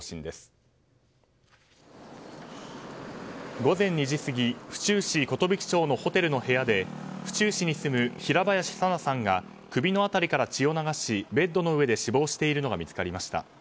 午前２時過ぎ府中市寿町のホテルの部屋で府中市に住む、平林さなさんが首の辺りから血を流しベッドの上で死亡しているのが見つかりました。